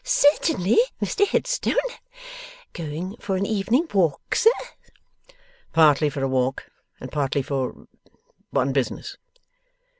'Certainly, Mr Headstone. Going for an evening walk, sir?' 'Partly for a walk, and partly for on business.